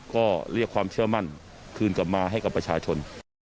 ก็เรียกความเชื่อมั่นคืนกลับมาให้กับประชาชน